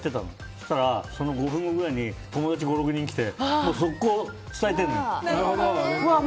そしたら、その５分後ぐらいに友達５６人来て即行、伝えてんの。